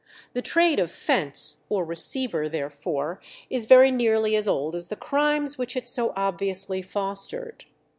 The trade of fence, or receiver, therefore, is very nearly as old as the crimes which it so obviously fostered.